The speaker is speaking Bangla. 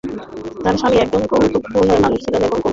তার স্বামী একজন কৌতুকপূর্ণ মানুষ ছিলেন এবং কৌতুক গল্প লিখতেন।